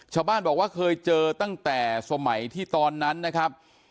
ชาวบ้านบอกว่าเคยเจอตั้งแต่สมัยที่ตอนนั้นนะครับ